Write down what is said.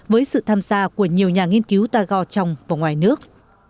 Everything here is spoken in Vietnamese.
với sự tham gia của nhiều nhà nghiên cứu tagore trong và ngoài nước